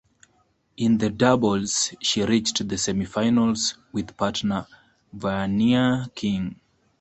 In the doubles she reached the semifinals with partner Vania King.